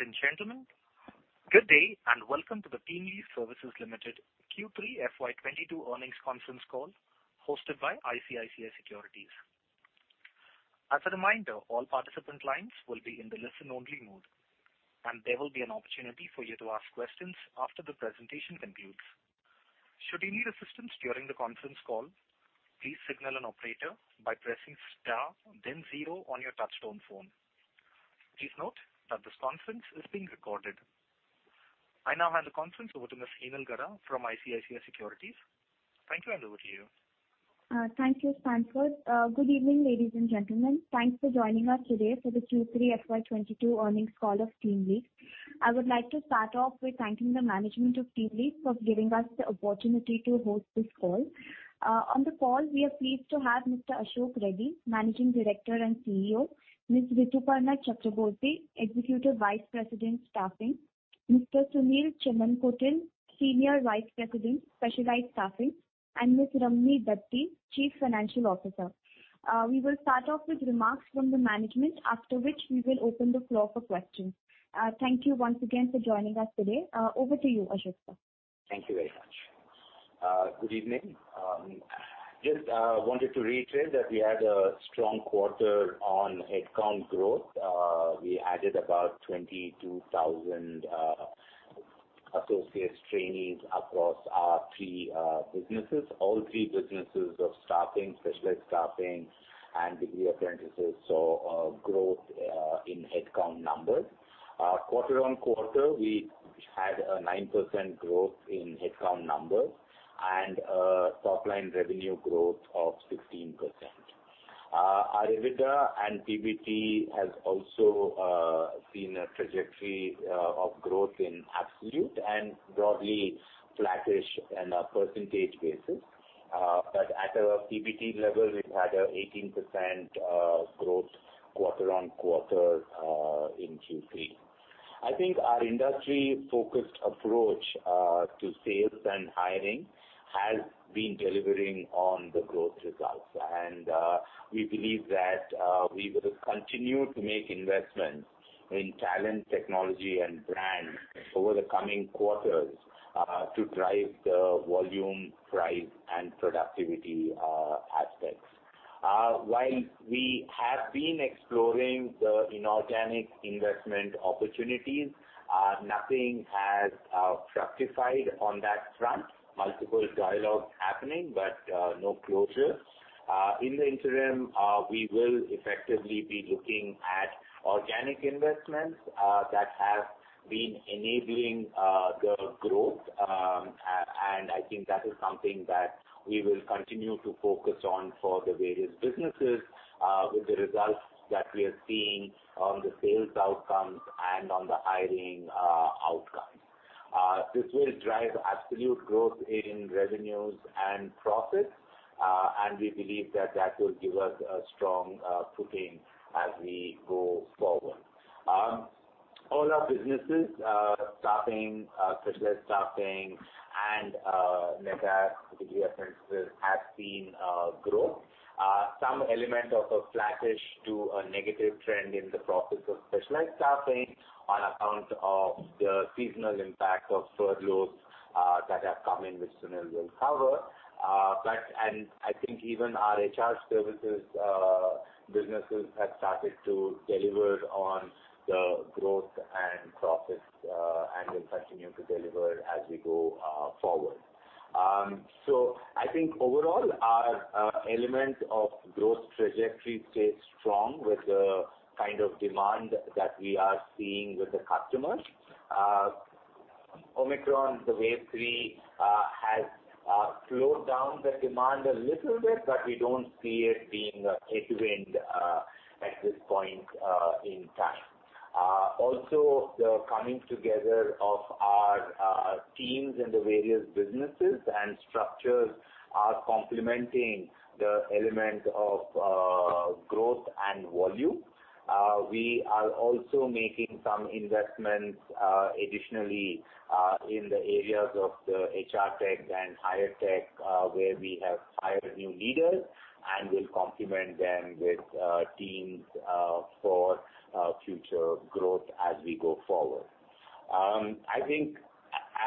Ladies and gentlemen, good day, and welcome to the TeamLease Services Limited Q3 FY 2022 earnings conference call hosted by ICICI Securities. As a reminder, all participant lines will be in the listen-only mode, and there will be an opportunity for you to ask questions after the presentation concludes. Should you need assistance during the conference call, please signal an operator by pressing star then zero on your touchtone phone. Please note that this conference is being recorded. I now hand the conference over to Ms. Heenal Gada from ICICI Securities. Thank you, and over to you. Thank you, Stanford. Good evening, ladies and gentlemen. Thanks for joining us today for the Q3 FY 2022 earnings call of TeamLease. I would like to start off with thanking the management of TeamLease for giving us the opportunity to host this call. On the call, we are pleased to have Mr. Ashok Reddy, Managing Director and CEO, Ms. Rituparna Chakraborty, Executive Vice President, Staffing, Mr. Sunil Chemmankotil, Senior Vice President, Specialized Staffing, and Ms. Ramani Dathi, Chief Financial Officer. We will start off with remarks from the management, after which we will open the floor for questions. Thank you once again for joining us today. Over to you, Ashok, sir. Thank you very much. Good evening. Just wanted to reiterate that we had a strong quarter on headcount growth. We added about 22,000 associates trainees across our three businesses. All three businesses of staffing, Specialized Staffing, and Degree Apprenticeship saw growth in headcount numbers. Quarter-on-quarter, we had a 9% growth in headcount numbers and top-line revenue growth of 16%. Our EBITDA and PBT has also seen a trajectory of growth in absolute and broadly flattish on a percentage basis. But at a PBT level, we've had 18% growth quarter-on-quarter in Q3. I think our industry-focused approach to sales and hiring has been delivering on the growth results. We believe that we will continue to make investments in talent, technology, and brand over the coming quarters to drive the volume, price, and productivity aspects. While we have been exploring the inorganic investment opportunities, nothing has fructified on that front. Multiple dialogues happening but no closure. In the interim, we will effectively be looking at organic investments that have been enabling the growth. And I think that is something that we will continue to focus on for the various businesses with the results that we are seeing on the sales outcomes and on the hiring outcomes. This will drive absolute growth in revenues and profits, and we believe that that will give us a strong footing as we go forward. All our businesses, staffing, Specialized Staffing and Degree Apprenticeship have seen growth. Some element of a flattish to a negative trend in the profits of Specialized Staffing on account of the seasonal impact of furloughs that have come in, which Sunil will cover. I think even our HR services businesses have started to deliver on the growth and profits, and will continue to deliver as we go forward. I think overall our element of growth trajectory stays strong with the kind of demand that we are seeing with the customers. Omicron, the wave three, has slowed down the demand a little bit, but we don't see it being a headwind at this point in time. Also the coming together of our teams in the various businesses and structures are complementing the element of growth and volume. We are also making some investments additionally in the areas of the HR Tech and HireTech where we have hired new leaders and will complement them with teams for future growth as we go forward. I think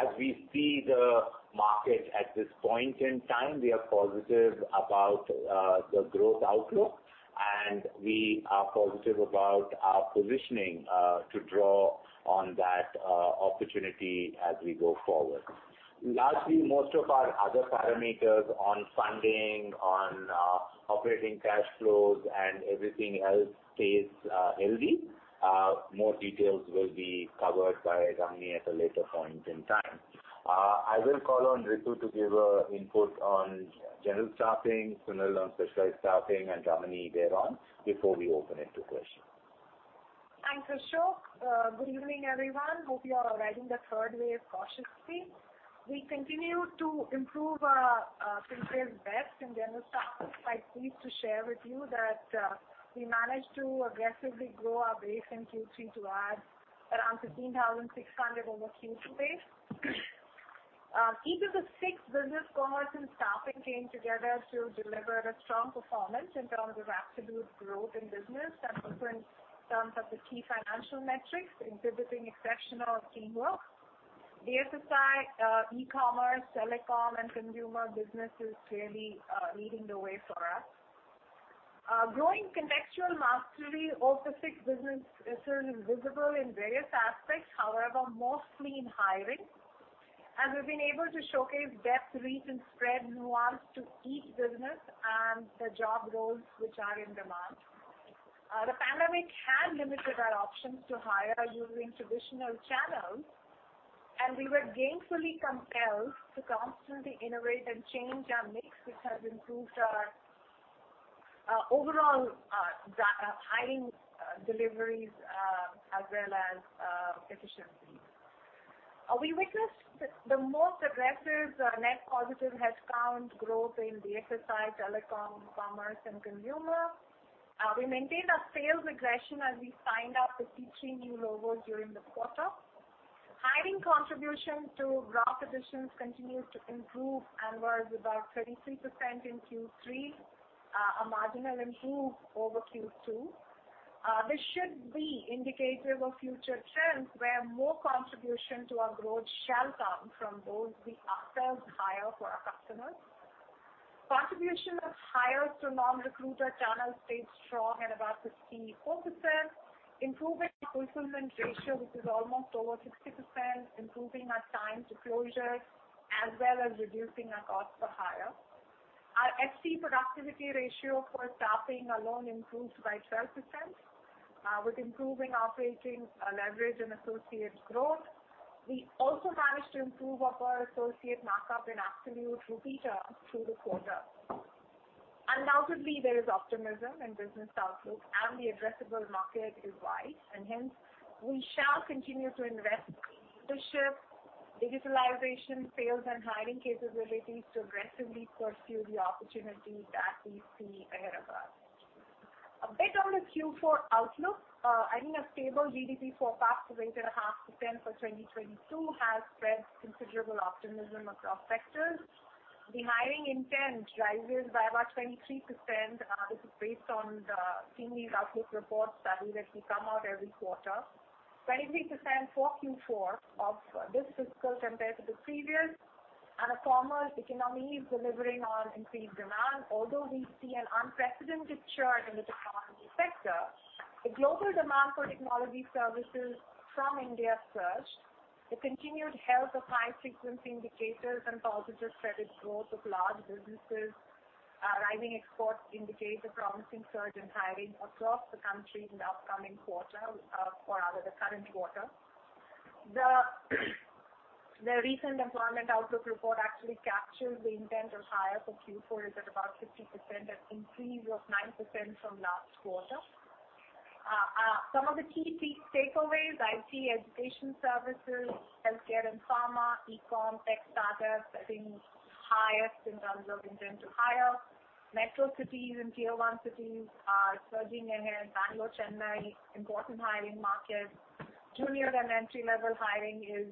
as we see the market at this point in time, we are positive about the growth outlook, and we are positive about our positioning to draw on that opportunity as we go forward. Lastly, most of our other parameters on funding, on operating cash flows and everything else stays healthy. More details will be covered by Ramani at a later point in time. I will call on Ritu to give her input on General Staffing, Sunil on Specialized Staffing, and Ramani thereon before we open it to questions. Thanks, Ashok. Good evening, everyone. Hope you are riding the third wave cautiously. We continue to improve our business in General Staffing. I'm pleased to share with you that we managed to aggressively grow our base in Q3 to add around 15,600 over Q2 base. Each of the six business cohorts and staffing came together to deliver a strong performance in terms of absolute growth in business and also in terms of the key financial metrics, exhibiting exceptional teamwork. BFSI, e-commerce, telecom, and consumer business is clearly leading the way for us. Growing contextual mastery of the six business is certainly visible in various aspects. However, mostly in hiring, and we've been able to showcase depth, reach, and spread nuance to each business and the job roles which are in demand. The pandemic had limited our options to hire using traditional channels, and we were gainfully compelled to constantly innovate and change our mix, which has improved our overall hiring deliveries as well as efficiency. We witnessed the most aggressive net positive headcount growth in BFSI, telecom, e-commerce and consumer. We maintained our sales aggression as we signed up 53 new logos during the quarter. Hiring contribution to raw additions continues to improve and was about 33% in Q3, a marginal improvement over Q2. This should be indicative of future trends where more contribution to our growth shall come from both the upsells and hires for our customers. Contribution of hires from non-recruiter channels stayed strong at about 54%. We are improving fulfillment ratio, which is almost over 60%, improving our time to closure as well as reducing our cost per hire. Our FC productivity ratio for staffing alone improved by 12%. With improving operating leverage and associates' growth, we also managed to improve our per associate markup in absolute rupee terms through the quarter. Undoubtedly, there is optimism in business outlook and the addressable market is wide and hence we shall continue to invest in leadership, digitalization, sales and hiring capabilities to aggressively pursue the opportunities that we see ahead of us. A bit on the Q4 outlook. I think a stable GDP forecast of 8.5% for 2022 has spread considerable optimism across sectors. The hiring intent rises by about 23%. This is based on the TeamLease outlook reports that usually come out every quarter. 23% for Q4 of this fiscal compared to the previous. The formal economy is delivering on increased demand. Although we see an unprecedented churn in the technology sector, the global demand for technology services from India surged. The continued health of high frequency indicators and positive credit growth of large businesses, rising exports indicate the promising surge in hiring across the country in the upcoming quarter, for rather the current quarter. The recent employment outlook report actually captures the intent of hire for Q4 is at about 50%, an increase of 9% from last quarter. Some of the key takeaways. IT, education services, healthcare and pharma, e-comm, tech startups have been highest in terms of intent to hire. Metro cities and tier one cities are surging ahead. Bangalore, Chennai important hiring markets. Junior and entry-level hiring is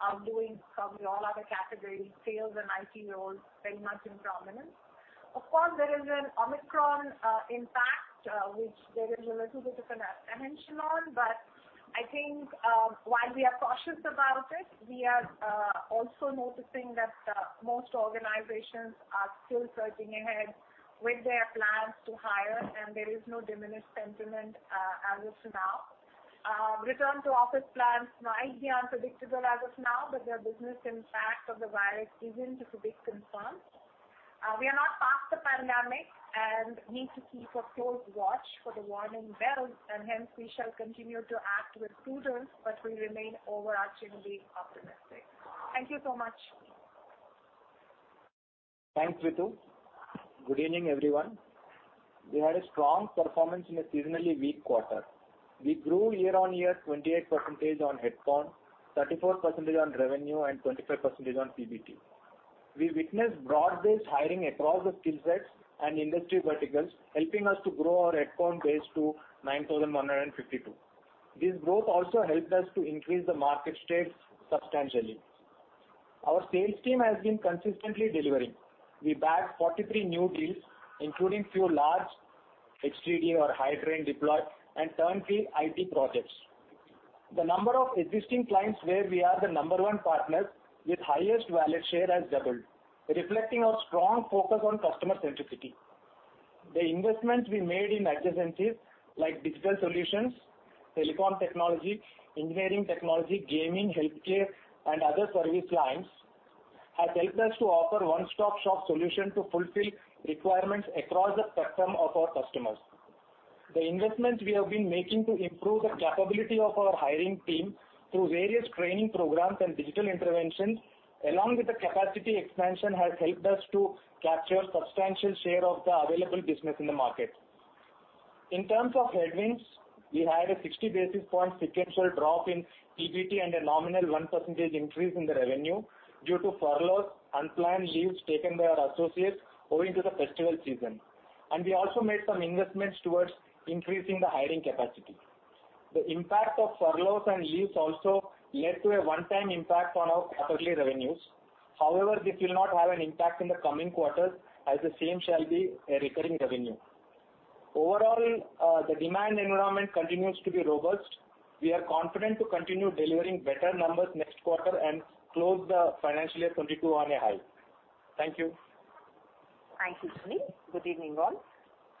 outdoing probably all other categories. Sales and IT roles very much in prominence. Of course, there is an Omicron impact, which there is a little bit of an apprehension on. I think, while we are cautious about it, we are also noticing that most organizations are still surging ahead with their plans to hire and there is no diminished sentiment as of now. Return to office plans might be unpredictable as of now, but their business impact of the virus isn't a big concern. We are not past the pandemic and need to keep a close watch for the warning bells and hence we shall continue to act with prudence but we remain overarchingly optimistic. Thank you so much. Thanks, Ritu. Good evening, everyone. We had a strong performance in a seasonally weak quarter. We grew year-over-year 28% on headcount, 34% on revenue and 25% on PBT. We witnessed broad-based hiring across the skill sets and industry verticals, helping us to grow our headcount base to 9,152. This growth also helped us to increase the market share substantially. Our sales team has been consistently delivering. We bagged 43 new deals, including few large HC or headcount deployed and turnkey IT projects. The number of existing clients where we are the number one partner with highest wallet share has doubled, reflecting our strong focus on customer centricity. The investments we made in adjacencies like digital solutions, telecom technology, engineering technology, gaming, healthcare and other service lines has helped us to offer one-stop shop solution to fulfill requirements across the spectrum of our customers. The investments we have been making to improve the capability of our hiring team through various training programs and digital interventions along with the capacity expansion has helped us to capture substantial share of the available business in the market. In terms of headwinds, we had a 60 basis points sequential drop in PBT and a nominal 1% increase in the revenue due to furloughs, unplanned leaves taken by our associates owing to the festival season. We also made some investments towards increasing the hiring capacity. The impact of furloughs and leaves also led to a one-time impact on our quarterly revenues. However, this will not have an impact in the coming quarters, as the same shall be a recurring revenue. Overall, the demand environment continues to be robust. We are confident to continue delivering better numbers next quarter and close the financial year 2022 on a high. Thank you. Thanks, Sunil. Good evening all.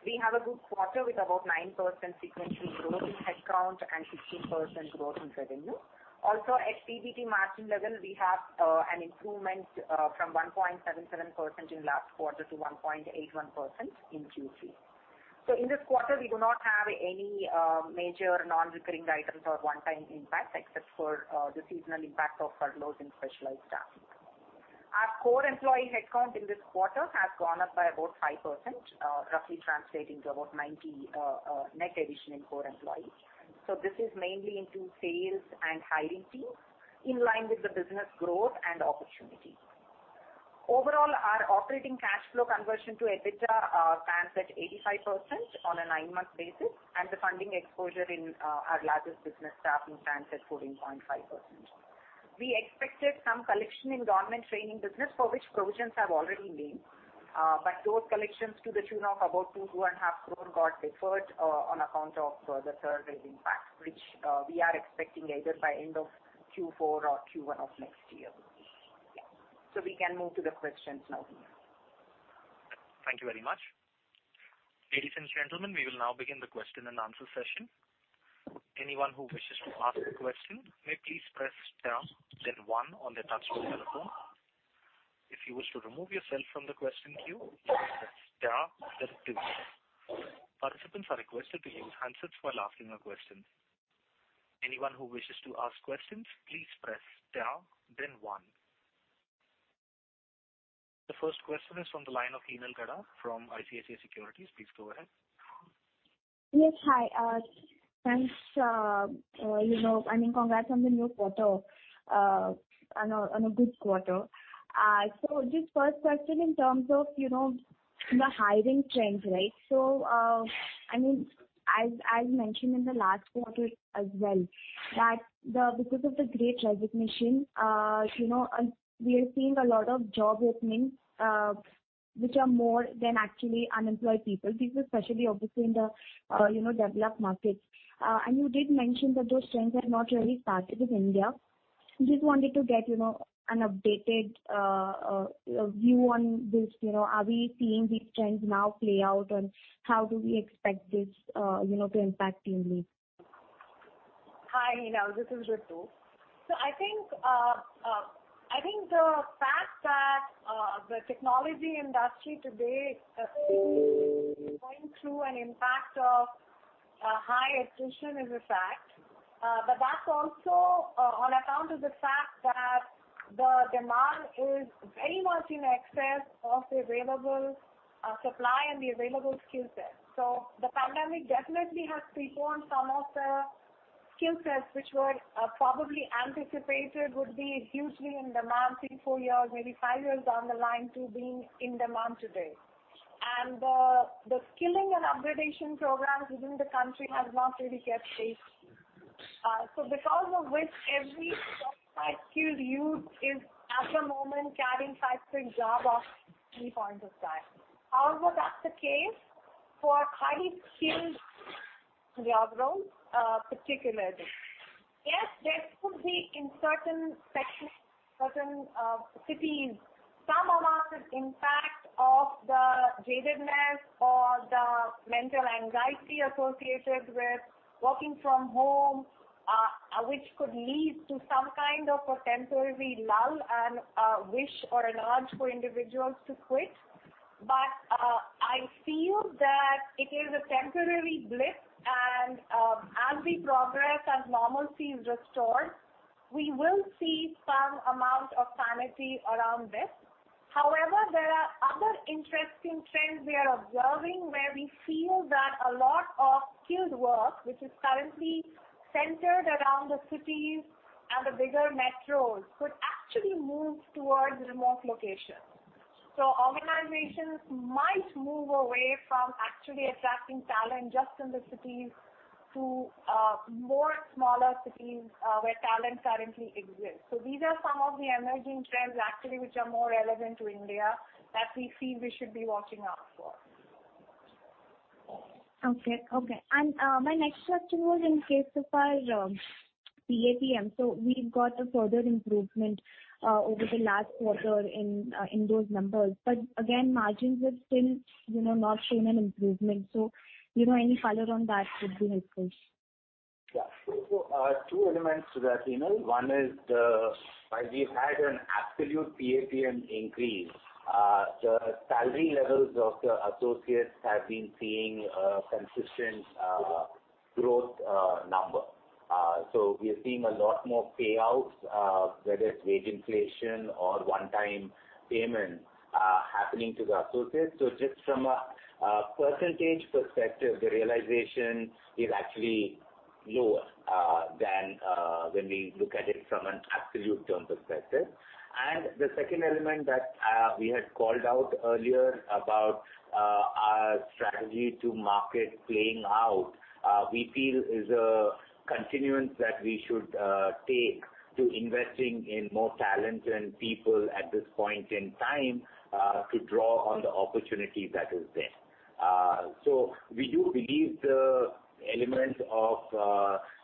We have a good quarter with about 9% sequential growth in headcount and 16% growth in revenue. Also, at PBT margin level, we have an improvement from 1.77% in last quarter to 1.81% in Q3. In this quarter, we do not have any major non-recurring items or one-time impact except for the seasonal impact of furloughs in Specialized Staffing. Our core employee headcount in this quarter has gone up by about 5%, roughly translating to about 90 net addition in core employees. This is mainly into sales and hiring teams in line with the business growth and opportunity. Overall, our operating cash flow conversion to EBITDA stands at 85% on a nine-month basis, and the funding exposure in our largest business staffing stands at 14.5%. We expected some collection in government training business for which provisions have already been made. Those collections to the tune of about 2.5 crore got deferred on account of the third wave impact, which we are expecting either by end of Q4 or Q1 of next year. We can move to the questions now. Thank you very much. Ladies and gentlemen, we will now begin the question and answer session. Anyone who wishes to ask a question may please press star then one on their touchtone telephone. If you wish to remove yourself from the question queue, please press star then two. Participants are requested to use handsets while asking a question. Anyone who wishes to ask questions, please press star then one. The first question is from the line of Heenal Gada from ICICI Securities. Please go ahead. Yes. Hi. Thanks. You know, I mean, congrats on the new quarter, and a good quarter. Just first question in terms of, you know, the hiring trends, right? I mean, as mentioned in the last quarter as well, that because of the great resignation, you know, we are seeing a lot of job openings, which are more than actually unemployed people. This is especially obviously in the, you know, developed markets. And you did mention that those trends have not really started in India. Just wanted to get, you know, an updated view on this. You know, are we seeing these trends now play out? And how do we expect this, you know, to impact TeamLease? Hi, Heenal. This is Ritu. I think the fact that the technology industry today is going through an impact of high attrition is a fact. But that's also on account of the fact that the demand is very much in excess of the available supply and the available skill set. The pandemic definitely has brought forward some of the skill sets which were probably anticipated would be hugely in demand three, four years, maybe five years down the line to being in demand today. The skilling and upgradation programs within the country has not really kept pace. Because of which every certified skilled youth is at the moment carrying five to a job at any point of time. However, that's the case for highly skilled job roles, particularly. Yes, there could be in certain sections, cities, some amount of impact of the jadedness or the mental anxiety associated with working from home, which could lead to some kind of a temporary lull and a wish or an urge for individuals to quit. I feel that it is a temporary blip and, as we progress, as normalcy is restored, we will see some amount of sanity around this. However, there are other interesting trends we are observing where we feel that a lot of skilled work, which is currently centered around the cities and the bigger metros, could actually move towards remote locations. Organizations might move away from actually attracting talent just in the cities to more smaller cities, where talent currently exists. These are some of the emerging trends actually which are more relevant to India that we feel we should be watching out for. Okay. My next question was in case of our PAPM. We've got a further improvement over the last quarter in those numbers. Margins have still, you know, not shown an improvement. Any color on that would be helpful. Two elements to that, Heenal. One is that while we've had an absolute PAPM increase, the salary levels of the associates have been seeing a consistent growth number. So we are seeing a lot more payouts, whether it's wage inflation or one-time payments, happening to the associates. So just from a percentage perspective, the realization is actually lower when we look at it from an absolute term perspective. The second element that we had called out earlier about our strategy to market playing out, we feel is a continuance that we should take to investing in more talent and people at this point in time to draw on the opportunity that is there. We do believe the element of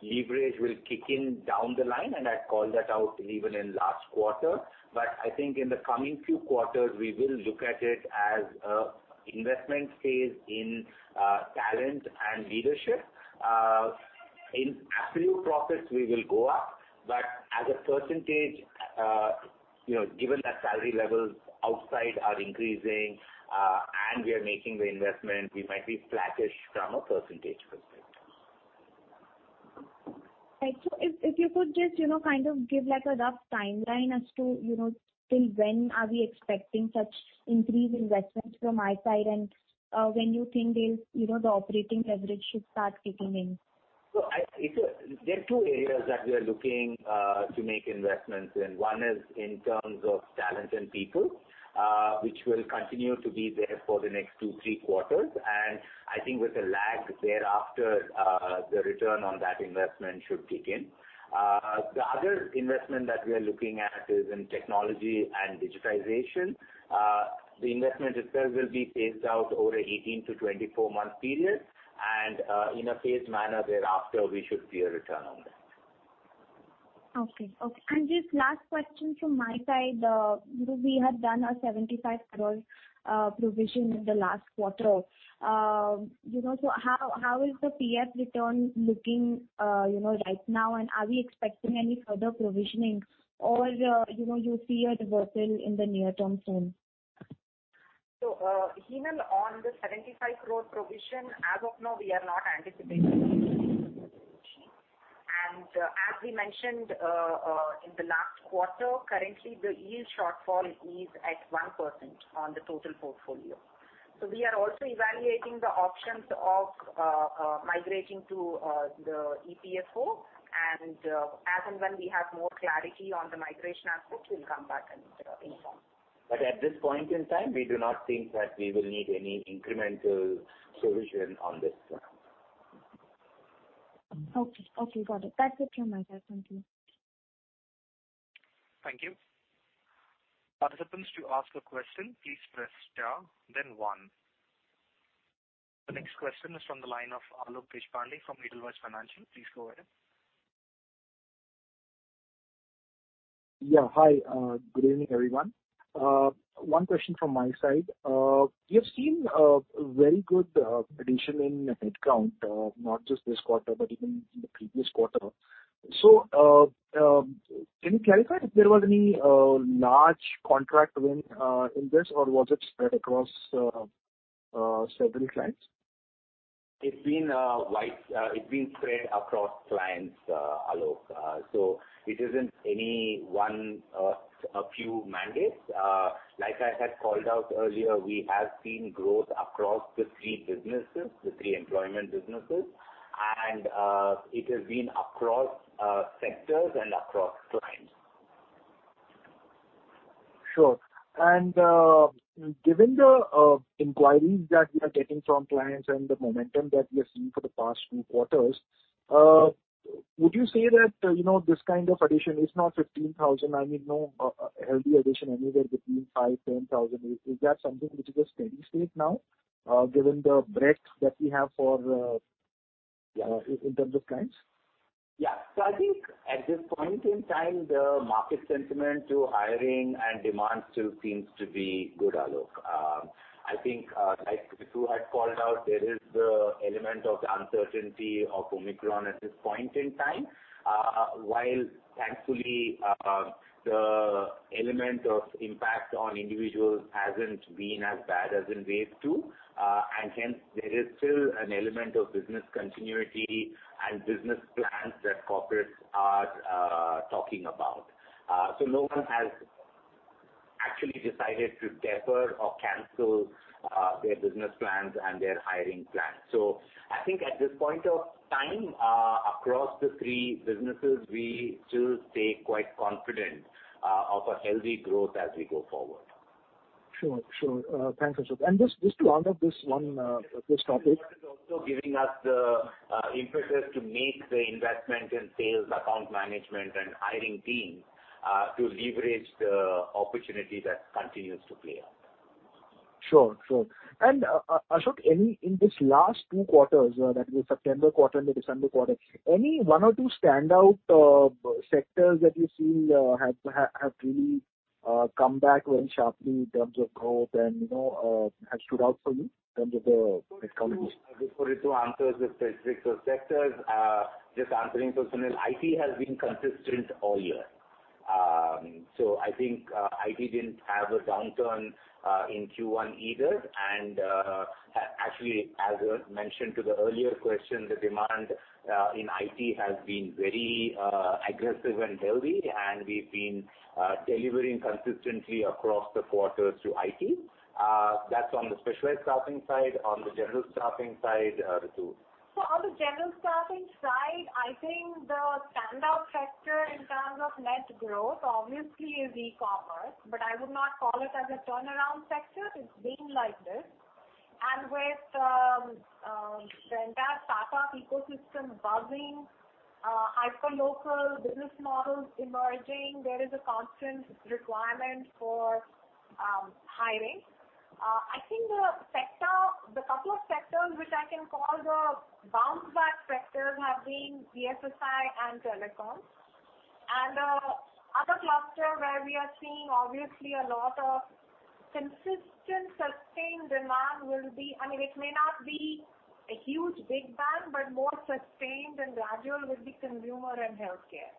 leverage will kick in down the line, and I called that out even in last quarter. I think in the coming few quarters, we will look at it as an investment phase in talent and leadership. In absolute profits, we will go up, but as a percentage, you know, given that salary levels outside are increasing, and we are making the investment, we might be flattish from a percentage perspective. Right. If you could just, you know, kind of give like a rough timeline as to, you know, till when are we expecting such increased investments from iServe, and when you think they'll, you know, the operating leverage should start kicking in. There are two areas that we are looking to make investments in. One is in terms of talent and people, which will continue to be there for the next two, three quarters. I think with a lag thereafter, the return on that investment should kick in. The other investment that we are looking at is in technology and digitization. The investment itself will be phased out over 18-24 month period, and in a phased manner thereafter we should see a return on that. Just last question from my side. You know, we had done a 75 crore provision in the last quarter. You know, how is the PF return looking right now and are we expecting any further provisioning or you see a reversal in the near-term soon? Heenal, on the 75 crore provision, as of now, we are not anticipating any further provision. As we mentioned in the last quarter, currently the yield shortfall is at 1% on the total portfolio. We are also evaluating the options of migrating to the EPFO, and as and when we have more clarity on the migration aspect, we'll come back and inform. At this point in time, we do not think that we will need any incremental provision on this front. Okay, got it. That's it from my side. Thank you. Thank you. Participants, to ask a question, please press star then one. The next question is from the line of Alok Deshpande from Edelweiss Financial. Please go ahead. Yeah, hi. Good evening, everyone. One question from my side. We have seen very good addition in headcount, not just this quarter, but even in the previous quarter. Can you clarify if there was any large contract win in this, or was it spread across several clients? It's been spread across clients, Alok. So it isn't any one, a few mandates. Like I had called out earlier, we have seen growth across the three businesses, the three employment businesses. It has been across sectors and across clients. Sure. Given the inquiries that you are getting from clients and the momentum that we are seeing for the past two quarters, would you say that, you know, this kind of addition is now 15,000, I mean, you know, a healthy addition anywhere between 5,000-10,000. Is that something which is a steady state now, given the breadth that we have in terms of clients? Yeah. I think at this point in time, the market sentiment to hiring and demand still seems to be good, Alok. I think, like Ritu had called out, there is the element of the uncertainty of Omicron at this point in time. While thankfully, the element of impact on individuals hasn't been as bad as in wave two, and hence there is still an element of business continuity and business plans that corporates are talking about. No one has actually decided to defer or cancel their business plans and their hiring plans. I think at this point of time, across the three businesses, we still stay quite confident of a healthy growth as we go forward. Sure. Thanks, Ashok. Just to round up this one, this topic. This quarter is also giving us the impetus to make the investment in sales account management and hiring teams to leverage the opportunity that continues to play out. Sure. Ashok, any in this last two quarters, that is the September quarter and the December quarter, any one or two standout sectors that you feel have really come back very sharply in terms of growth and, you know, have stood out for you in terms of the net combination? Before Ritu answers the specifics of sectors, just answering for Sunil, IT has been consistent all year. So I think, IT didn't have a downturn in Q1 either. Actually, as I mentioned to the earlier question, the demand in IT has been very aggressive and healthy, and we've been delivering consistently across the quarters through IT. That's on the Specialized Staffing side. On the General Staffing side, Ritu. On the General Staffing side, I think the standout sector in terms of net growth obviously is e-commerce, but I would not call it as a turnaround sector. It's been like this with the entire startup ecosystem buzzing, hyper local business models emerging, there is a constant requirement for hiring. I think the couple of sectors which I can call the bounce back sectors have been BFSI and telecoms. Other cluster where we are seeing obviously a lot of consistent sustained demand will be consumer and healthcare. I mean, it may not be a huge big bang, but more sustained and gradual will be consumer and healthcare.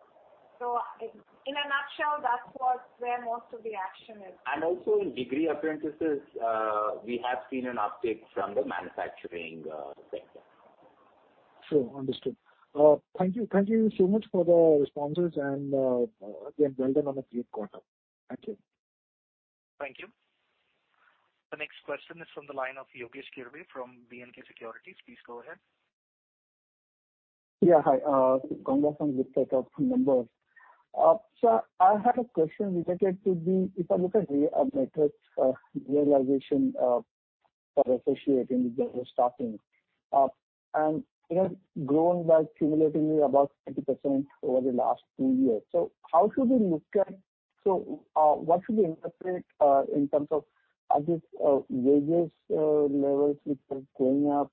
In a nutshell, that's where most of the action is. Also in Degree Apprenticeship, we have seen an uptick from the manufacturing sector. Sure. Understood. Thank you. Thank you so much for the responses and, again, well done on a great quarter. Thank you. Thank you. The next question is from the line of Yogesh Kirve from B&K Securities. Please go ahead. Yeah. Hi, congratulations on the set of numbers. I had a question related to the metrics. If I look at the realization for associates in the staffing, and it has grown by cumulatively about 20% over the last two years. How should we look at what should we interpret in terms of, I guess, wage levels which are going up,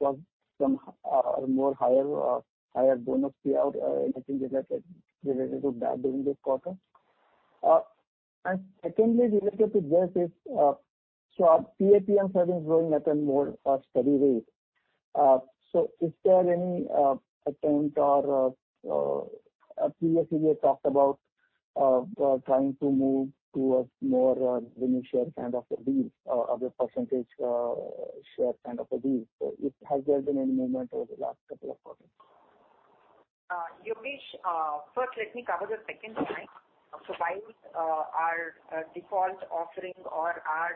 some higher bonus payout, anything related to that during this quarter? And secondly, related to this is our PAPM service growing at a more steady rate. Is there any attempt or previously we had talked about trying to move towards more winning share kind of a deal of a percentage share kind of a deal. Has there been any movement over the last couple of quarters? Yogesh, first let me cover the second point. While our default offering or our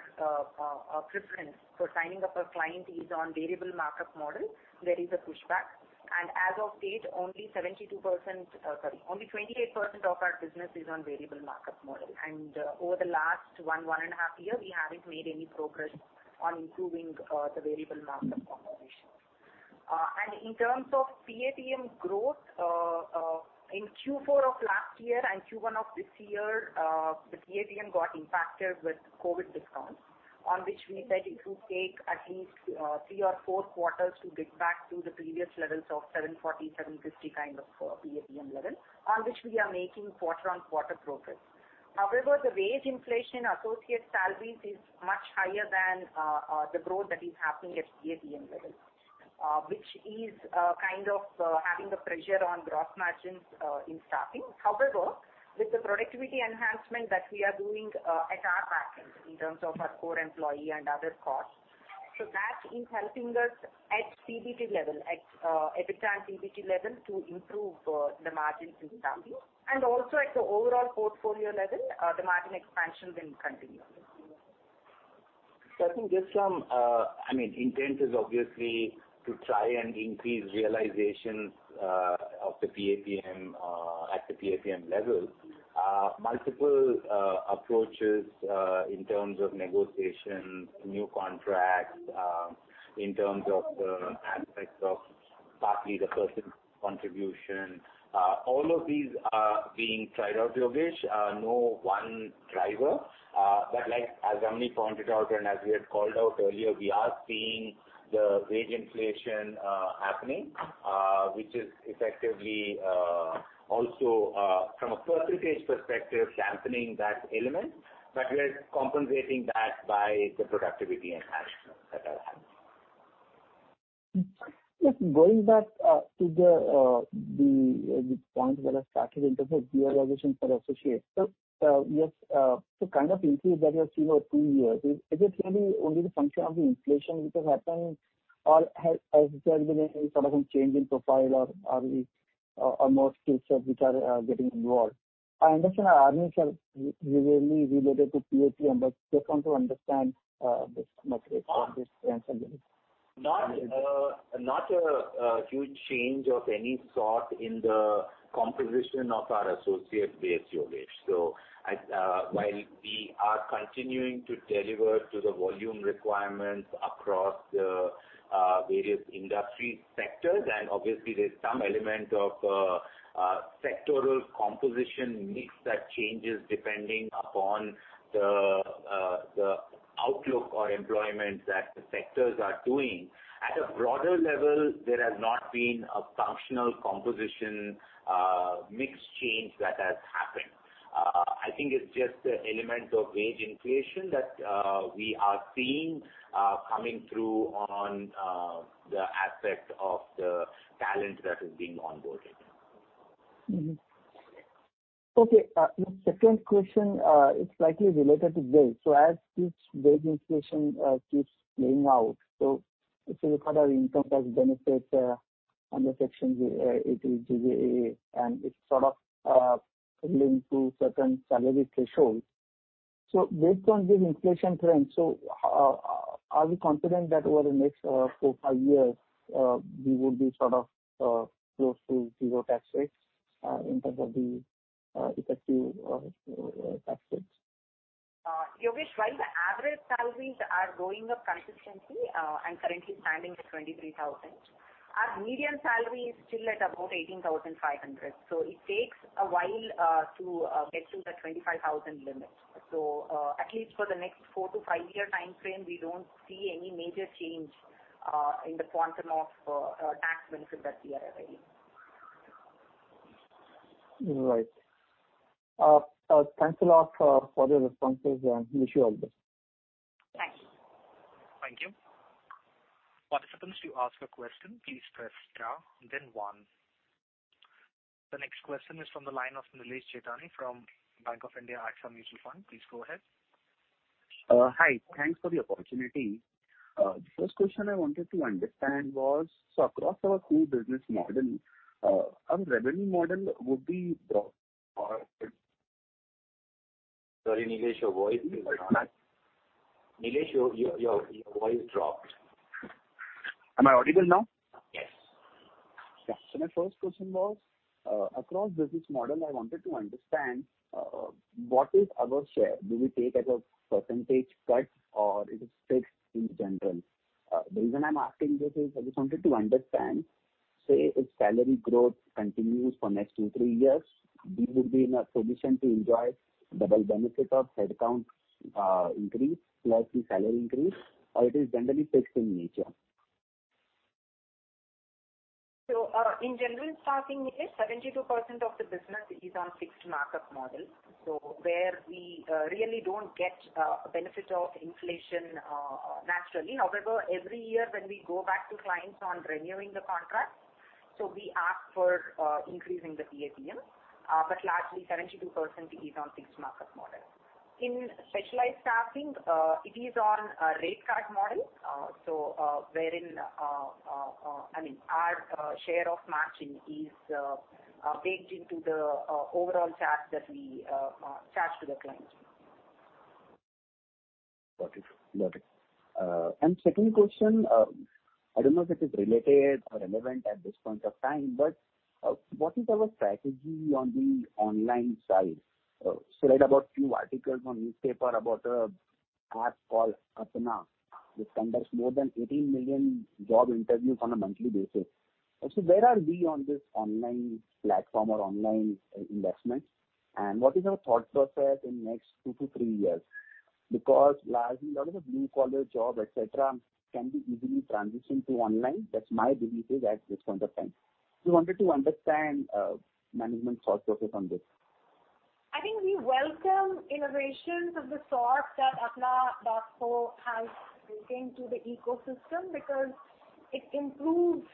preference for signing up a client is on variable markup model, there is a pushback. As of date, only 72%, sorry, only 28% of our business is on variable markup model. Over the last one and a half year, we haven't made any progress on improving the variable markup proposition. In terms of PAPM growth, in Q4 of last year and Q1 of this year, the PAPM got impacted with COVID discounts, on which we said it will take at least three or four quarters to get back to the previous levels of 740, 750 kind of PAPM level, on which we are making quarter-on-quarter progress. However, the wage inflation associate salaries is much higher than the growth that is happening at PAPM level, which is kind of having a pressure on gross margins in staffing. However, with the productivity enhancement that we are doing at our backend in terms of our core employee and other costs, so that is helping us at PBT level, at EBITDA and PBT level to improve the margins in staffing. Also at the overall portfolio level, the margin expansion will continue. I think just from I mean intent is obviously to try and increase realizations of the PAPM at the PAPM level. Multiple approaches in terms of negotiations, new contracts, in terms of the aspects of partly the person contribution, all of these are being tried out, Yogesh. No one driver. Like as Ramani pointed out and as we had called out earlier, we are seeing the wage inflation happening, which is effectively also from a percentage perspective dampening that element. We are compensating that by the productivity enhancements that are happening. Just going back to the point where I started in terms of realization for associates. Yes, kind of increase that you have seen over two years, is it really only the function of the inflation which has happened or has there been any sort of a change in profile or are we or more skill set which are getting involved? I understand our earnings are really related to PAPM, but just want to understand this metric from this sense a bit. Not a huge change of any sort in the composition of our associate base, Yogesh. While we are continuing to deliver to the volume requirements across the various industry sectors, and obviously there's some element of sectoral composition mix that changes depending upon the outlook or employment that the sectors are doing. At a broader level, there has not been a functional composition mix change that has happened. I think it's just an element of wage inflation that we are seeing coming through on the aspect of the talent that is being onboarded. My second question is slightly related to wage. As each wage inflation keeps playing out, if you look at our income tax benefits under Section 80JJAA, and it's sort of linked to certain salary thresholds. Based on this inflation trend, are we confident that over the next four, five years, we would be sort of close to zero tax rates in terms of the effective tax rates? Yogesh, while the average salaries are going up consistently, and currently standing at 23,000, our median salary is still at about 18,500. It takes a while to get to the 25,000 limit. At least for the next four to five year timeframe, we don't see any major change in the quantum of tax benefit that we are availing. Right. Thanks a lot for the responses and we wish you all the best. Thanks. The next question is from the line of Nilesh Jethani from Bank of India Mutual Fund. Please go ahead. Hi. Thanks for the opportunity. The first question I wanted to understand was, across our whole business model, our revenue model would be the or. Sorry, Nilesh, your voice dropped. Am I audible now? Yes. Yeah. My first question was, across business model, I wanted to understand, what is our share? Do we take as a percentage cut or it is fixed in general? The reason I'm asking this is I just wanted to understand, say, if salary growth continues for next two, three years, we would be in a position to enjoy double benefit of headcount, increase plus the salary increase, or it is generally fixed in nature. In General Staffing, 72% of the business is on fixed markup model, where we really don't get benefit of inflation, naturally. However, every year when we go back to clients on renewing the contract, we ask for increasing the PAPM, but largely 72% is on fixed markup model. In Specialized Staffing, it is on a rate card model. Wherein I mean, our share of matching is baked into the overall charge that we charge to the clients. Got it. Second question, I don't know if it is related or relevant at this point of time, but what is our strategy on the online side? So I read about a few articles in newspapers about an app called Apna, which conducts more than 18 million job interviews on a monthly basis. So where are we on this online platform or online investment, and what is our thought process in next two to three years? Because largely a lot of the blue-collar job, et cetera, can be easily transitioned to online. That's my belief is at this point of time. We wanted to understand management's thought process on this. I think we welcome innovations of the sort that apna.co has brought into the ecosystem because it improves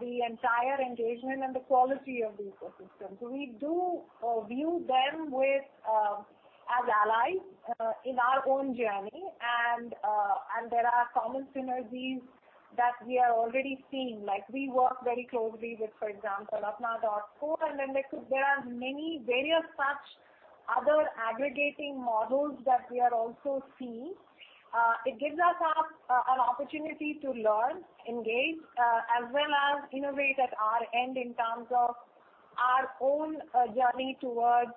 the entire engagement and the quality of the ecosystem. We view them as allies in our own journey. There are common synergies that we are already seeing. Like, we work very closely with, for example, apna.co, and there are many various such other aggregating models that we are also seeing. It gives us an opportunity to learn, engage as well as innovate at our end in terms of our own journey towards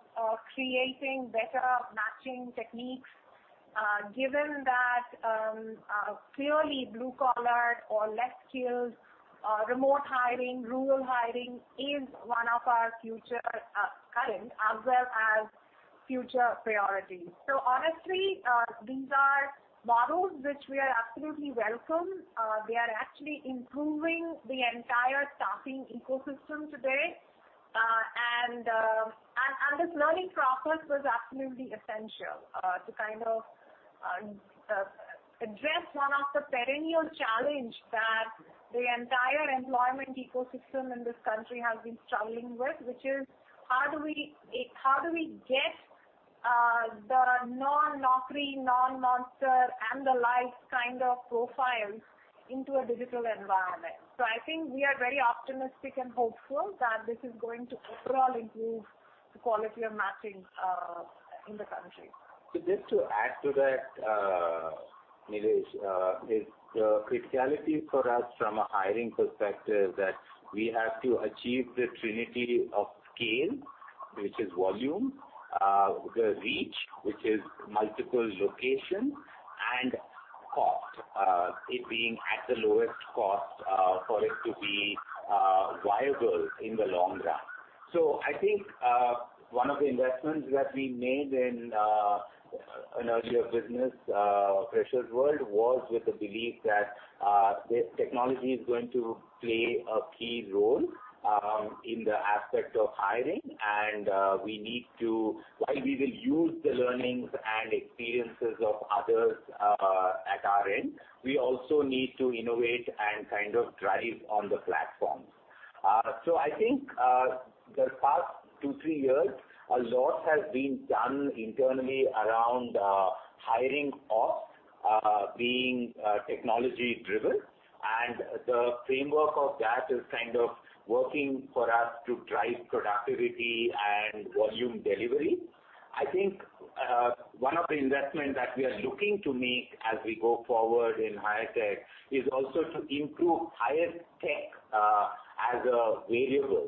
creating better matching techniques, given that clearly blue collar or less skilled remote hiring, rural hiring is one of our future current as well as future priorities. Honestly, these are models which we are absolutely welcome. They are actually improving the entire staffing ecosystem today. This learning process was absolutely essential to kind of address one of the perennial challenge that the entire employment ecosystem in this country has been struggling with, which is how do we get the non-Naukri, non-Monster and the like kind of profiles into a digital environment. I think we are very optimistic and hopeful that this is going to overall improve the quality of matching in the country. Just to add to that, Nilesh, the criticality for us from a hiring perspective is that we have to achieve the trinity of scale, which is volume, the reach, which is multiple locations, and cost, it being at the lowest cost, for it to be viable in the long run. I think one of the investments that we made in an earlier business, Freshersworld, was with the belief that technology is going to play a key role in the aspect of hiring. While we will use the learnings and experiences of others, at our end, we also need to innovate and kind of drive on the platforms. I think the past two, three years, a lot has been done internally around hiring ops being technology driven, and the framework of that is kind of working for us to drive productivity and volume delivery. I think one of the investment that we are looking to make as we go forward in HireTech is also to improve HireTech as a variable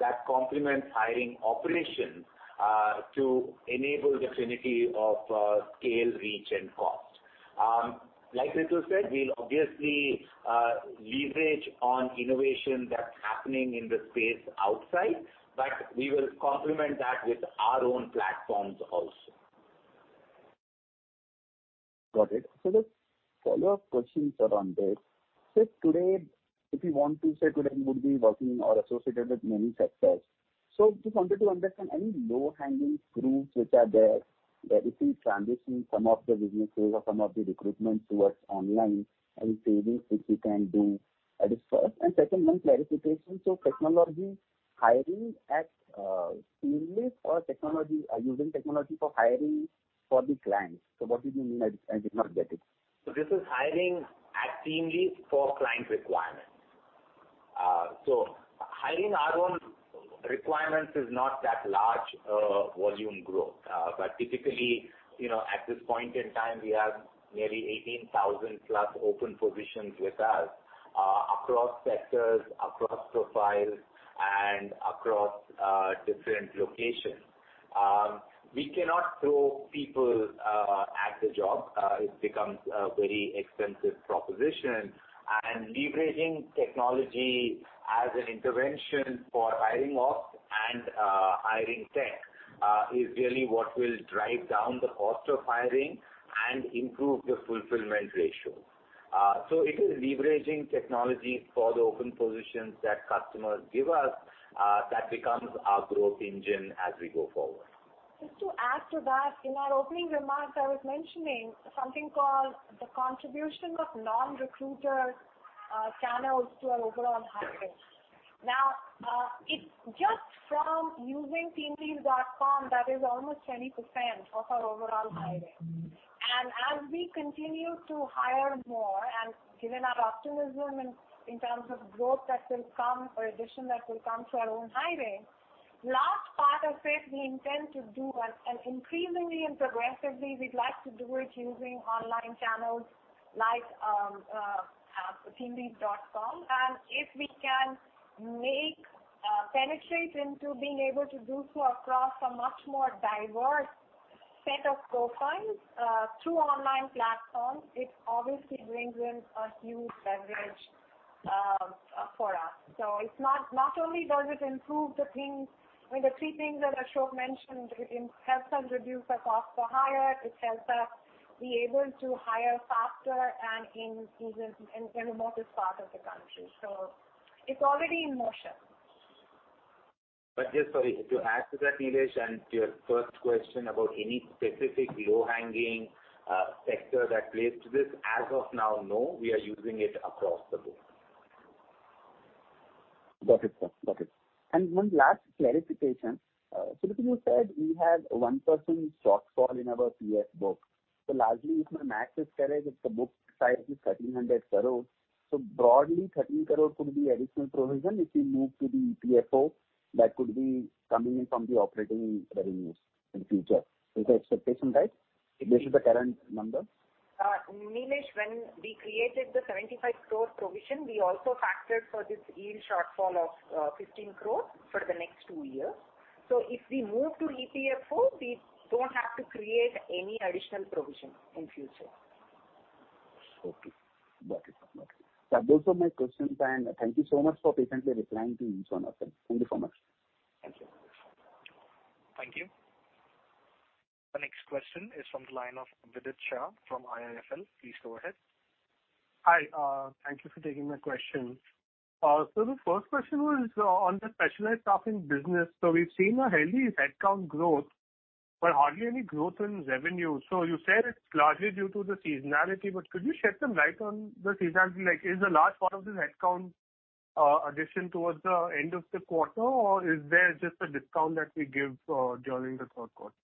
that complements hiring operations to enable the trinity of scale, reach, and cost. Like Ritu said, we'll obviously leverage on innovation that's happening in the space outside, but we will complement that with our own platforms also. Got it. Just follow-up questions around this. Today, if you want to say today would be working or associated with many sectors. Just wanted to understand any low-hanging fruits which are there, that if we transition some of the businesses or some of the recruitment towards online, any savings which we can do at this. First and second one clarification. Technology hiring at TeamLease or technology or using technology for hiring for the clients. What did you mean? I did not get it. This is hiring at TeamLease for client requirements. Hiring our own requirements is not that large volume growth. Typically, you know, at this point in time, we have nearly 18,000+ open positions with us, across sectors, across profiles and across different locations. We cannot throw people at the job. It becomes a very expensive proposition. Leveraging technology as an intervention for hiring ops and hiring tech is really what will drive down the cost of hiring and improve the fulfillment ratio. It is leveraging technology for the open positions that customers give us that becomes our growth engine as we go forward. Just to add to that, in our opening remarks, I was mentioning something called the contribution of non-recruiter channels to our overall hiring. Now, it's just from using teamlease.com that is almost 20% of our overall hiring. as we continue to hire more, and given our optimism in terms of growth that will come or addition that will come to our own hiring, large part of which we intend to do and increasingly and progressively we'd like to do it using online channels like teamlease.com. if we can make penetrate into being able to do so across a much more diverse set of profiles through online platforms, it obviously brings in a huge leverage for us. Not only does it improve the things or the three things that Ashok mentioned, it helps us reduce our cost to hire, it helps us be able to hire faster and even in remotest part of the country. It's already in motion. Just sorry, to add to that, Nilesh, and your first question about any specific low-hanging sector that plays to this. As of now, no, we are using it across the board. Got it, sir. Got it. One last clarification. Because you said we have 1% shortfall in our PF book. Largely if my math is correct, if the book size is INR 1,300 crore, broadly 13 crore could be additional provision if we move to the EPFO that could be coming in from the operating revenues in future. Is the expectation right? If this is the current number. Nilesh, when we created the 75 crore provision, we also factored for this yield shortfall of 15 crore for the next two years. If we move to EPFO, we don't have to create any additional provision in future. Okay. Got it. That was all my questions, and thank you so much for patiently replying to each one of them. Thank you so much. Thank you. Thank you. The next question is from the line of Vidit Shah from IIFL. Please go ahead. Hi, thank you for taking my question. The first question was on the Specialized Staffing business. We've seen a healthy headcount growth, but hardly any growth in revenue. You said it's largely due to the seasonality, but could you shed some light on the seasonality? Like, is a large part of this headcount addition towards the end of the quarter, or is there just a discount that we give during the third quarter?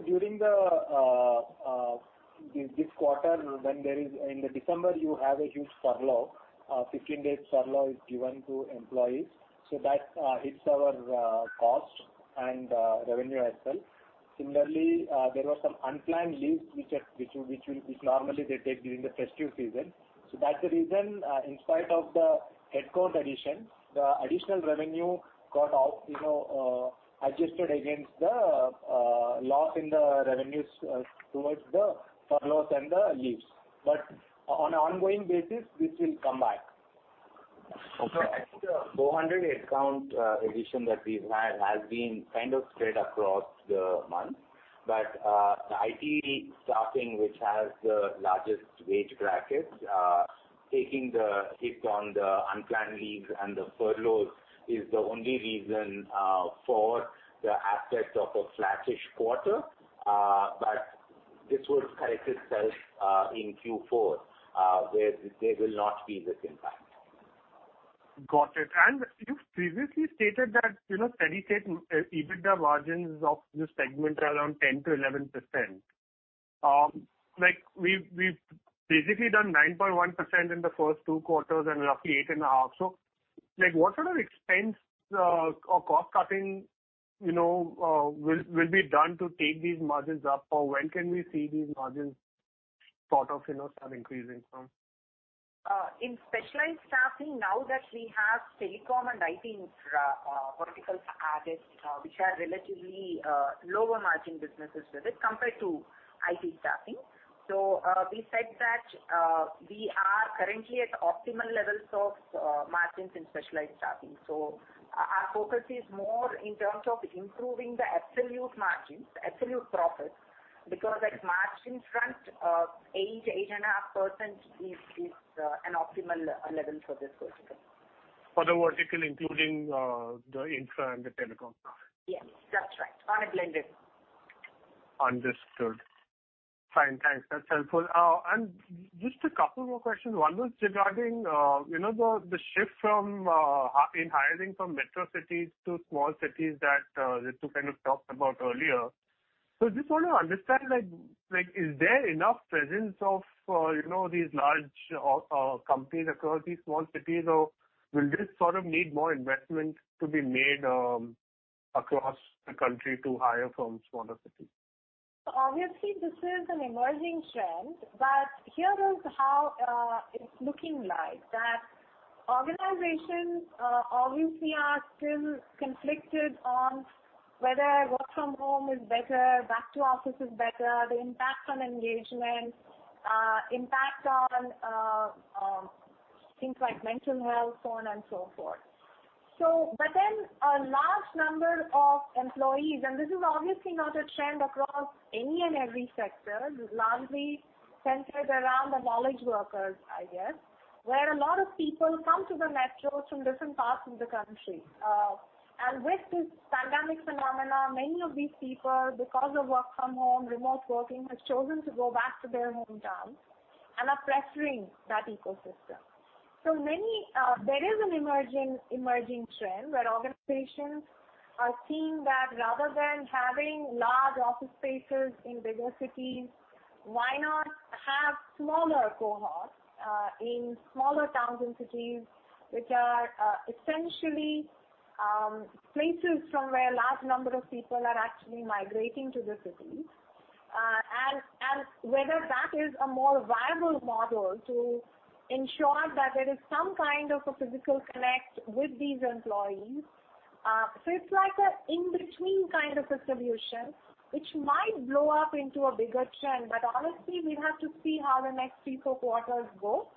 During this quarter when there is in December you have a huge 15-day furlough given to employees, that hits our cost and revenue as well. Similarly, there were some unplanned leaves which they normally take during the festive season. That's the reason, in spite of the headcount addition, the additional revenue got offset, you know, adjusted against the loss in the revenues towards the furloughs and the leaves. On an ongoing basis, this will come back. Okay. I think the 400 headcount addition that we've had has been kind of spread across the month. The IT staffing, which has the largest wage brackets, taking the hit on the unplanned leaves and the furloughs is the only reason for the aspect of a flattish quarter. This would correct itself in Q4 where there will not be this impact. Got it. You've previously stated that, you know, steady-state EBITDA margins of this segment are around 10%-11%. Like we've basically done 9.1% in the first two quarters and roughly 8.5%. Like what sort of expense or cost cutting, you know, will be done to take these margins up? Or when can we see these margins sort of, you know, start increasing from? In Specialized Staffing, now that we have telecom and IT verticals added, which are relatively lower margin businesses with it compared to IT Staffing. We said that we are currently at optimal levels of margins in Specialized Staffing. Our focus is more in terms of improving the absolute margins, absolute profits. Because at margin front, 8.5% is an optimal level for this vertical. For the vertical, including the infra and the telecom stuff. Yes, that's right. On a blended. Understood. Fine. Thanks. That's helpful. Just a couple more questions. One was regarding the shift from hiring from metro cities to small cities that Ritu kind of talked about earlier. I just wanna understand, like, is there enough presence of these large companies across these small cities? Or will this sort of need more investment to be made across the country to hire from smaller cities? Obviously, this is an emerging trend. Here is how it's looking like. Organizations obviously are still conflicted on whether work from home is better, back to office is better, the impact on engagement, impact on things like mental health, so on and so forth. A large number of employees, and this is obviously not a trend across any and every sector, largely centered around the knowledge workers, I guess, where a lot of people come to the metros from different parts of the country. With this pandemic phenomena, many of these people, because of work from home, remote working, have chosen to go back to their hometowns and are pressuring that ecosystem. There is an emerging trend where organizations are seeing that rather than having large office spaces in bigger cities, why not have smaller cohorts in smaller towns and cities which are essentially places from where large number of people are actually migrating to the cities. Whether that is a more viable model to ensure that there is some kind of a physical connect with these employees. So it's like an in-between kind of distribution, which might blow up into a bigger trend, but honestly, we'll have to see how the next three, four quarters go.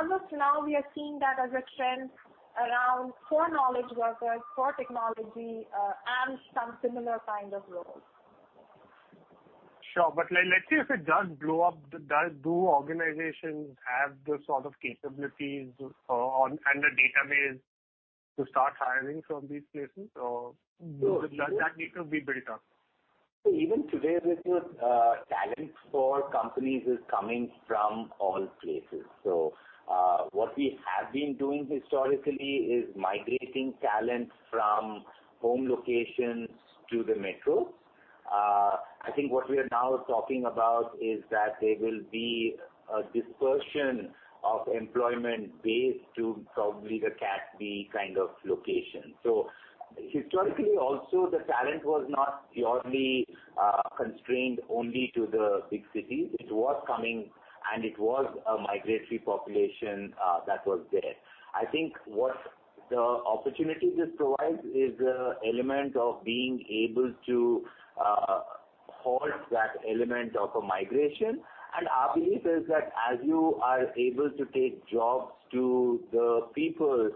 As of now, we are seeing that as a trend around for knowledge workers, for technology, and some similar kind of roles. Sure. Like let's say if it does blow up, do organizations have the sort of capabilities and the database to start hiring from these places? Or. No. Does that need to be built up? Even today, Ritu, talent for companies is coming from all places. What we have been doing historically is migrating talent from home locations to the metros. I think what we are now talking about is that there will be a dispersion of employment base to probably the Cat B kind of location. Historically also, the talent was not purely constrained only to the big cities. It was coming, and it was a migratory population that was there. I think what the opportunity this provides is the element of being able to halt that element of a migration. Our belief is that as you are able to take jobs to the people,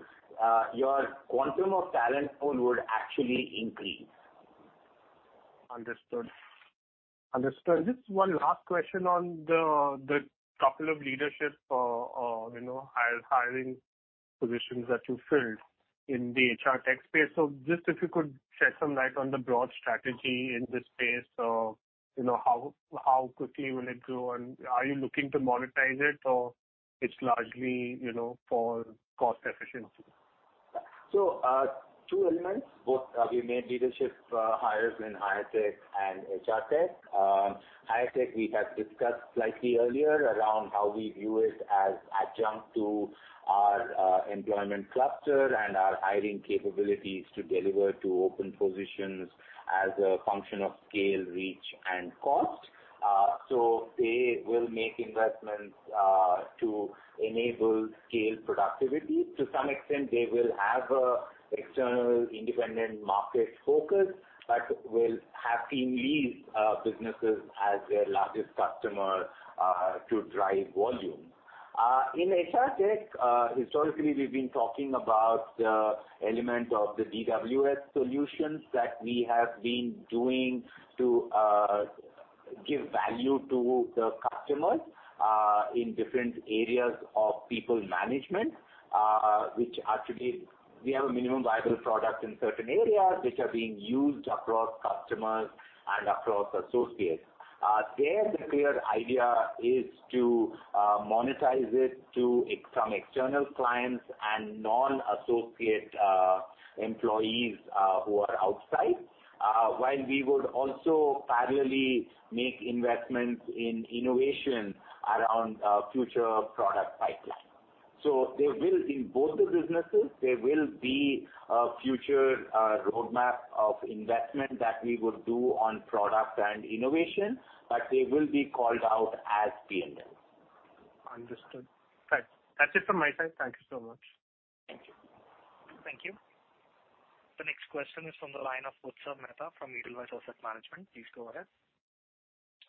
your quantum of talent pool would actually increase. Understood. Just one last question on the couple of leadership hiring positions that you filled in the HR Tech space. If you could shed some light on the broad strategy in this space. You know, how quickly will it grow, and are you looking to monetize it, or it's largely, you know, for cost efficiency? Two elements. Both, we made leadership hires in HireTech and HR Tech. HireTech we had discussed slightly earlier around how we view it as adjacency to our employment cluster and our hiring capabilities to deliver to open positions as a function of scale, reach, and cost. They will make investments to enable scale and productivity. To some extent, they will have an external independent market focus, but will happily have our business as their largest customer to drive volume. In HR Tech, historically we've been talking about the element of the DWS solutions that we have been doing to give value to the customers in different areas of people management, which actually we have a minimum viable product in certain areas which are being used across customers and across associates. The clear idea is to monetize it to some external clients and non-associate employees who are outside, while we would also parallelly make investments in innovation around our future product pipeline. There will be a future roadmap of investment that we would do on product and innovation, but they will be called out as P&L. Understood. That's it from my side. Thank you so much. Thank you. The next question is from the line of Utsav Mehta from Edelweiss Asset Management. Please go ahead.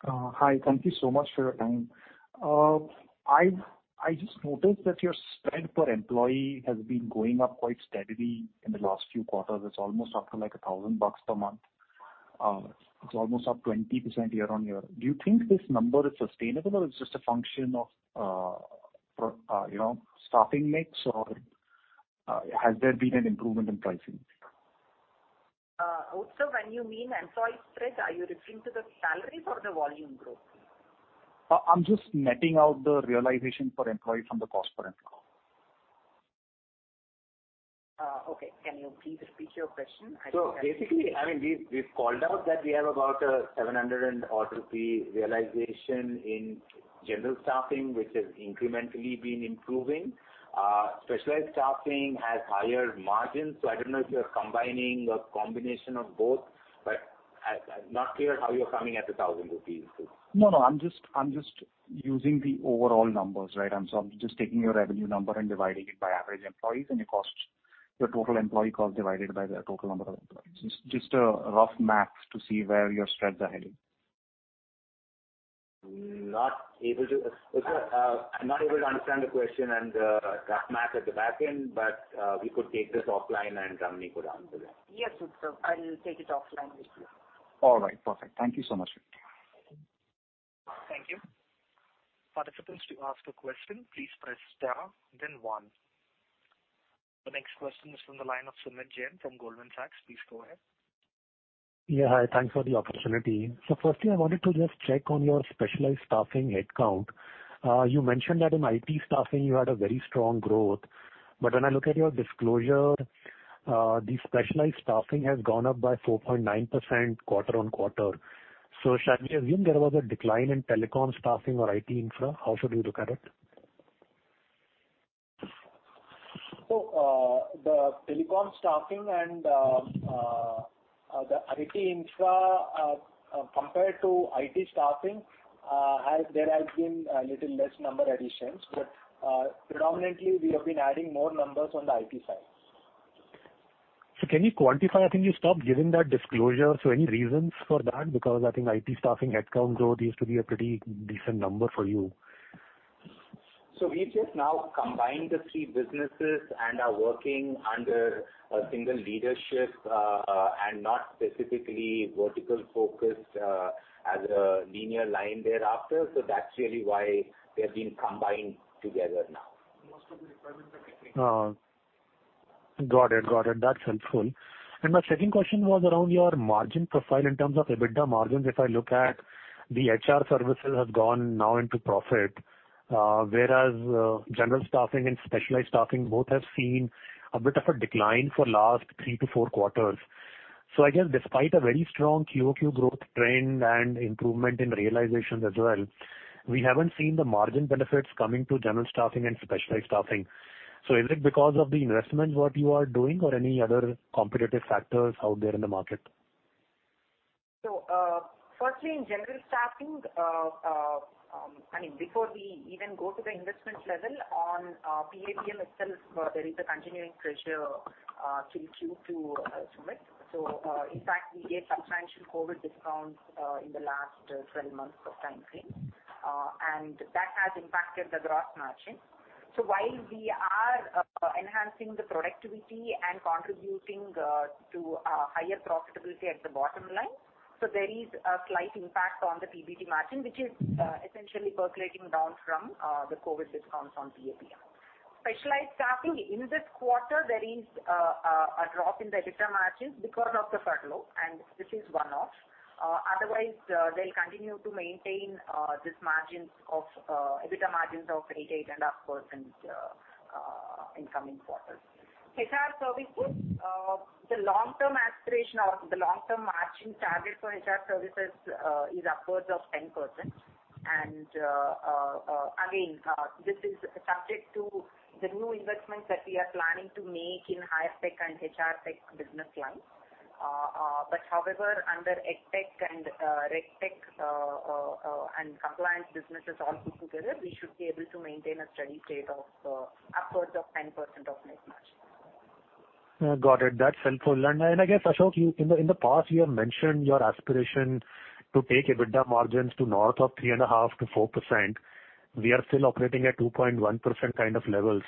Hi. Thank you so much for your time. I just noticed that your spend per employee has been going up quite steadily in the last few quarters. It's almost up to, like, INR 1,000 per month. It's almost up 20% year on year. Do you think this number is sustainable, or it's just a function of, you know, staffing mix, or has there been an improvement in pricing? Utsav, when you mean employee spread, are you referring to the salary or the volume growth? I'm just netting out the realization per employee from the cost per employee. Okay. Can you please repeat your question? Basically, I mean, we've called out that we have about 700-odd rupee realization in General Staffing, which has incrementally been improving. Specialized Staffing has higher margins, so I don't know if you're combining or combination of both, but I'm not clear how you're coming at the 1,000 rupees. No, I'm just using the overall numbers, right? I'm just taking your revenue number and dividing it by average employees and your costs. Your total employee cost divided by the total number of employees. Just a rough math to see where your spreads are heading. Utsav, I'm not able to understand the question and rough math at the back end, but we could take this offline and Ramani could answer that. Yes, Utsav, I'll take it offline with you. All right. Perfect. Thank you so much. Thank you. Participants, to ask a question, please press star then one. The next question is from the line of Sumit Jain from Goldman Sachs. Please go ahead. Yeah, hi. Thanks for the opportunity. Firstly, I wanted to just check on your Specialized Staffing headcount. You mentioned that in IT staffing you had a very strong growth, but when I look at your disclosure, the Specialized Staffing has gone up by 4.9% quarter-on-quarter. Shall we assume there was a decline in telecom staffing or IT infra? How should we look at it? The telecom staffing and the IT infra, compared to IT staffing, there has been a little less number additions. Predominantly we have been adding more numbers on the IT side. Can you quantify? I think you stopped giving that disclosure. Any reasons for that? Because I think IT staffing headcount growth used to be a pretty decent number for you. We've just now combined the three businesses and are working under a single leadership, and not specifically vertical focused, as a linear line thereafter. That's really why they have been combined together now. Got it. That's helpful. My second question was around your margin profile in terms of EBITDA margins. If I look at the HR services has gone now into profit, whereas General Staffing and Specialized Staffing both have seen a bit of a decline for last three to four quarters. I guess despite a very strong QoQ growth trend and improvement in realizations as well, we haven't seen the margin benefits coming to General Staffing and Specialized Staffing. Is it because of the investments what you are doing or any other competitive factors out there in the market? Firstly, in General Staffing, I mean, before we even go to the investment level on PAPM itself, there is a continuing pressure quarter-over-quarter. In fact, we gave substantial COVID discounts in the last 12 months timeframe, and that has impacted the gross margin while we are enhancing the productivity and contributing to higher profitability at the bottom line. There is a slight impact on the PBT margin, which is essentially percolating down from the COVID discounts on PAPM. Specialized Staffing, in this quarter, there is a drop in the EBITDA margins because of the furlough, and this is one-off. Otherwise, they'll continue to maintain these margins of EBITDA margins of 8.5% in coming quarters. HR services, the long-term aspiration or the long-term margin target for HR services is upwards of 10%. Again, this is subject to the new investments that we are planning to make in higher tech and HR Tech business lines. However, under EdTech and RegTech and compliance businesses all put together, we should be able to maintain a steady state of upwards of 10% net margin. Got it. That's helpful. I guess, Ashok, in the past you have mentioned your aspiration to take EBITDA margins to north of 3.5%-4%. We are still operating at 2.1% kind of levels.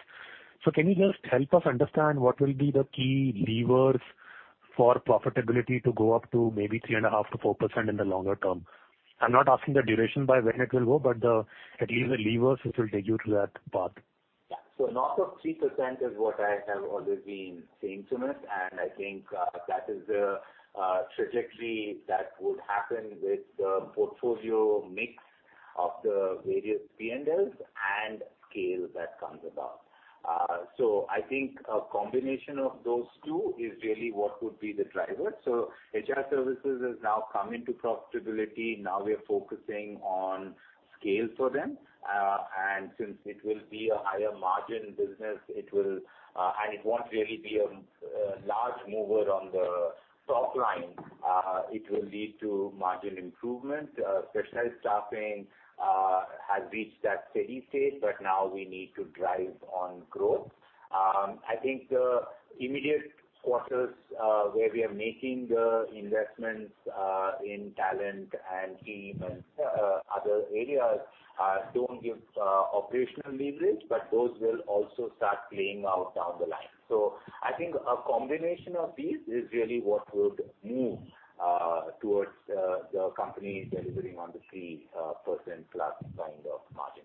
Can you just help us understand what will be the key levers for profitability to go up to maybe 3.5%-4% in the longer-term? I'm not asking the duration by when it will go, but at least the levers which will take you to that path. Yeah. North of 3% is what I have always been saying, Sumit, and I think that is the trajectory that would happen with the portfolio mix of the various P&Ls and scale that comes about. I think a combination of those two is really what would be the driver. HR Services has now come into profitability. Now we are focusing on scale for them. Since it will be a higher margin business, it will, and it won't really be a large mover on the top line, it will lead to margin improvement. Specialized Staffing has reached that steady state, but now we need to drive on growth. I think the immediate quarters where we are making the investments in talent and team and other areas don't give operational leverage, but those will also start playing out down the line. I think a combination of these is really what would move towards the company delivering on the 3%+ kind of margin.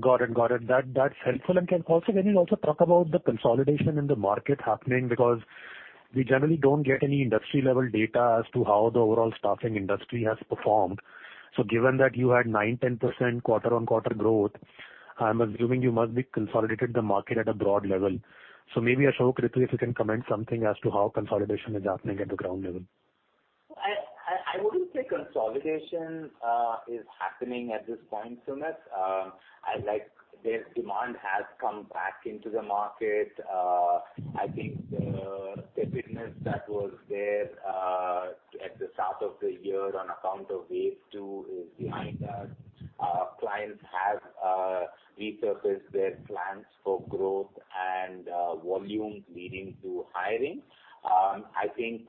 Got it. That's helpful. Can you also talk about the consolidation in the market happening? Because we generally don't get any industry level data as to how the overall staffing industry has performed. Given that you had 9%-10% quarter-over-quarter growth, I'm assuming you must be consolidating the market at a broad level. Maybe, Ashok, if you can comment something as to how consolidation is happening at the ground level. I wouldn't say consolidation is happening at this point, Sumit. This demand has come back into the market. I think the weakness that was there at the start of the year on account of wave two is behind us. Clients have resurfaced their plans for growth and volume leading to hiring. I think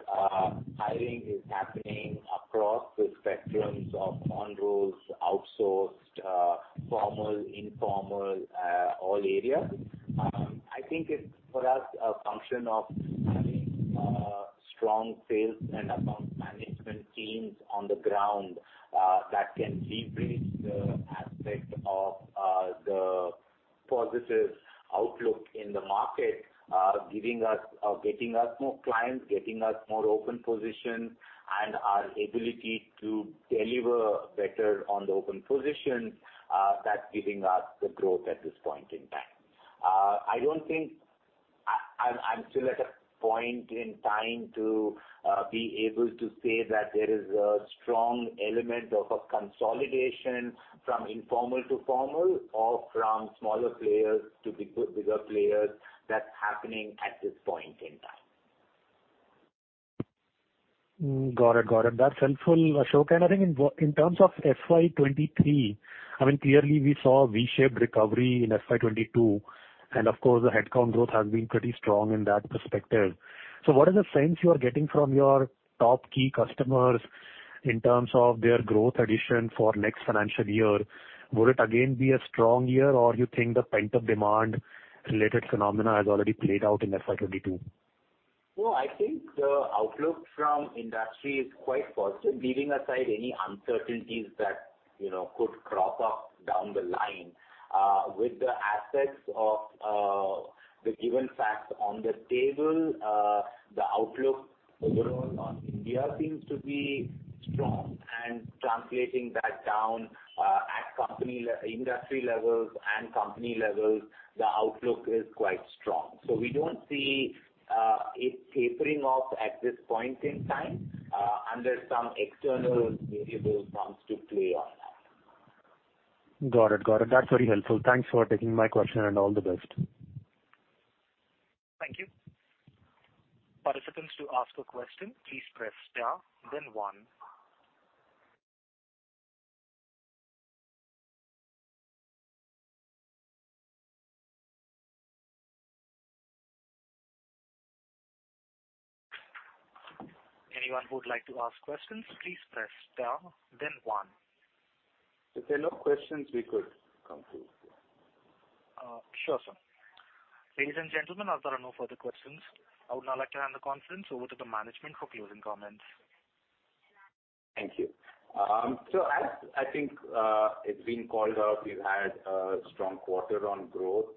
hiring is happening across the spectrums of on-roles, outsourced, formal, informal, all areas. I think it's for us a function of having strong sales and account management teams on the ground that can leverage the aspect of the positive outlook in the market, giving us or getting us more clients, getting us more open positions, and our ability to deliver better on the open positions, that's giving us the growth at this point in time. I don't think I'm still at a point in time to be able to say that there is a strong element of a consolidation from informal to formal or from smaller players to bigger players that's happening at this point in time. Got it. That's helpful, Ashok. I think in terms of FY 2023, I mean, clearly we saw a V-shaped recovery in FY 2022, and of course the headcount growth has been pretty strong in that perspective. What is the sense you are getting from your top key customers in terms of their growth addition for next financial year? Would it again be a strong year, or you think the pent-up demand related phenomena has already played out in FY 2022? Well, I think the outlook from industry is quite positive. Leaving aside any uncertainties that, you know, could crop up down the line, with the aspects of, the given facts on the table, the outlook overall on India seems to be strong. Translating that down, at industry levels and company levels, the outlook is quite strong. We don't see it tapering off at this point in time, unless some external variable comes to play on that. Got it. Got it. That's very helpful. Thanks for taking my question, and all the best. Thank you. Participants who ask a question, please press star then one. Anyone who would like to ask questions, please press star then one. If there are no questions, we could conclude. Sure, sir. Ladies and gentlemen, as there are no further questions, I would now like to hand the conference over to the management for closing comments. Thank you. So as I think, it's been called out, we've had a strong quarter on growth,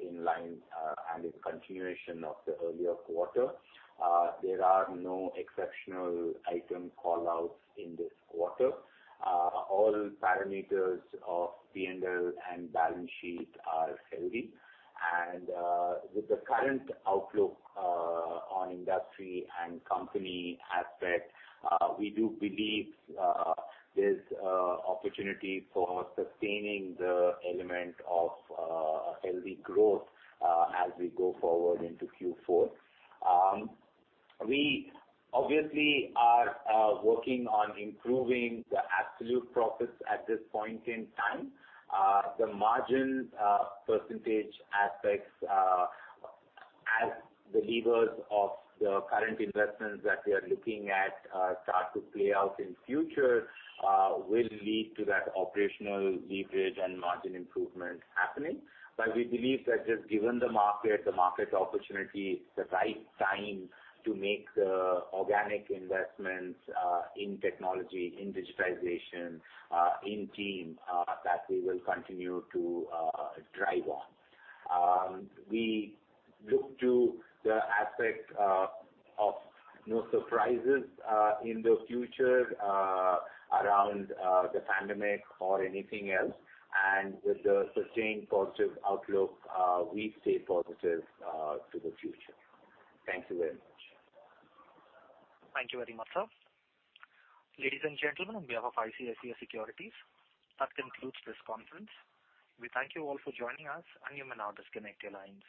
in line, and it's continuation of the earlier quarter. There are no exceptional item call-outs in this quarter. All parameters of P&L and balance sheet are healthy. With the current outlook on industry and company aspect, we do believe, there's opportunity for sustaining the element of healthy growth as we go forward into Q4. We obviously are working on improving the absolute profits at this point in time. The margin percentage aspects as the levers of the current investments that we are looking at start to play out in future will lead to that operational leverage and margin improvement happening. We believe that just given the market, the market opportunity, it's the right time to make organic investments in technology, in digitization, in team that we will continue to drive on. We look to the aspect of no surprises in the future around the pandemic or anything else. With the sustained positive outlook, we stay positive to the future. Thank you very much. Thank you very much, sir. Ladies and gentlemen, on behalf of ICICI Securities, that concludes this conference. We thank you all for joining us, and you may now disconnect your lines.